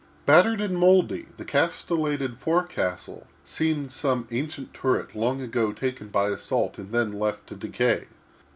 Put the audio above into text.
Battered and mouldy, the castellated forecastle seemed some ancient turret, long ago taken by assault, and then left to decay.